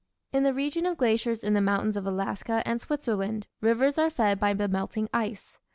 In the region of glaciers in the mountains of Alaska and Switzerland rivers are fed by the melting ice.